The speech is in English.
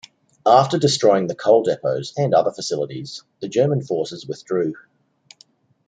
After destroying the coal depots and other facilities, the German forces withdrew.